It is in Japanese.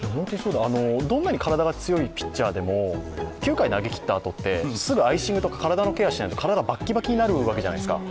どんなに体が強いピッチャーでも９回投げきったあとってすぐアイシングとか体のケアとかしないと、体がバッキバキになるわけじゃないですか。